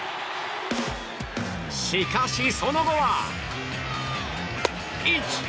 しかし、その後は。